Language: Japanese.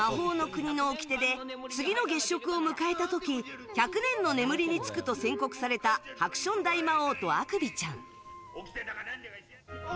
魔法の国のおきてで次の月食を迎えた時１００年の眠りにつくと宣告されたハクション大魔王とアクビちゃん。